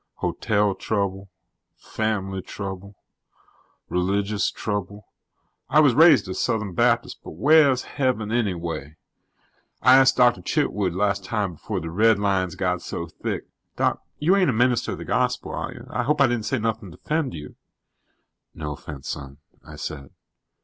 Hotel trouble. Fam'ly trouble. Religious trouble. I was raised a Southern Baptist, but wheah's Heaven, anyway? I ask' Doctor Chitwood las' time home before the redlines got so thick Doc, you aren't a minister of the Gospel, are you? I hope I di'n' say anything to offend you." "No offense, son," I said.